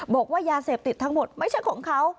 บอกว่ายาเสพติดทั้งหมดไม่ใช่ของเขา